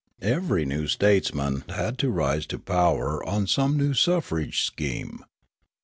Every new statesman had to rise to power on some new suffrage scheme.